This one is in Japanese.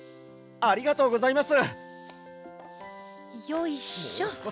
ありがとうございます！